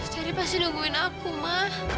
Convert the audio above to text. terry pasti nungguin aku ma